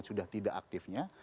sudah tidak aktifnya